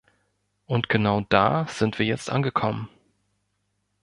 Und genau da sind wir jetzt angekommen.